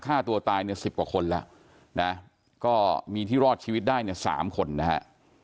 ฆ่าตัวตายเนี่ยสิบกว่าคนแล้วนะก็มีที่รอดชีวิตได้เนี่ย๓คนนะฮะ